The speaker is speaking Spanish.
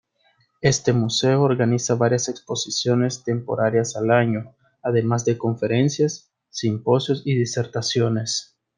Este museo organiza varias exposiciones temporarias al año, además de conferencias, simposios y disertaciones.